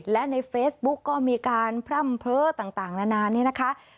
และในเฟซบุ๊กก็มีการพร่ำเพ้อต่างนานานี่นะคะ